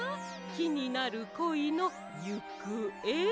きになるこいのゆくえ？